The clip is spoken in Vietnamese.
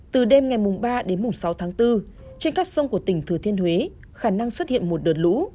từ đêm ngày ba đến sáu tháng bốn trên các sông của tỉnh thừa thiên huế khả năng xuất hiện một đợt lũ